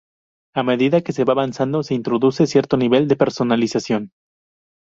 A medida que se va avanzando se introduce cierto nivel de personalización.